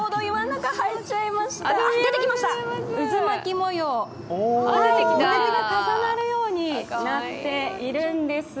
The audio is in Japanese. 模様が重なるようになっているんです。